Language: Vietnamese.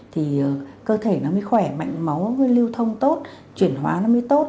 thì cơ thể nó mới khỏe mạnh máu lưu thông tốt chuyển hóa nó mới tốt